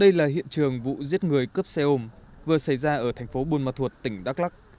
đây là hiện trường vụ giết người cướp xe ôm vừa xảy ra ở thành phố buôn ma thuột tỉnh đắk lắc